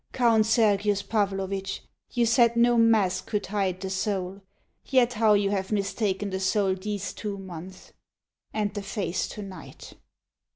Count Sergius Pavlovich, you said no mask Could hide the soul, yet how you have mistaken The soul these two months and the face to night!